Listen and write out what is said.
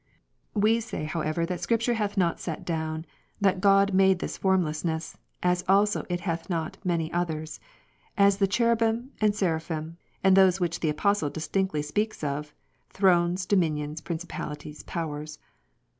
We say however that Scripture hath not set down, that God made this formlessness, as also it hath not many others ; as the Cherubim, and Seraphim, and those which the Apostle distinctly speaks of. Thrones, Dominions, Principalities, Powers.